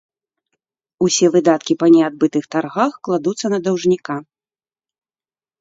Усе выдаткі па неадбытых таргах кладуцца на даўжніка.